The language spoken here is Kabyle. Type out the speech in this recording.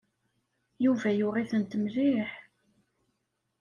Yuba yuɣ-itent mliḥ.